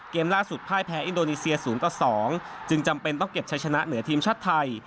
ล่าสุดพ่ายแพ้อินโดนีเซีย๐ต่อ๒จึงจำเป็นต้องเก็บใช้ชนะเหนือทีมชาติไทย